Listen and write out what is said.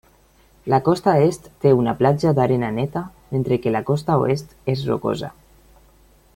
La costa est té una platja d'arena neta, mentre que la costa oest és rocosa.